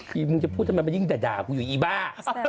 ดิมึงจะพูดทำไมมันยิ่งจะคุยกับอีบ้า